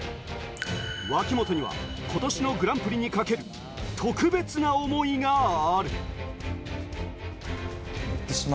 脇本には今年のグランプリにかける特別な思いがある。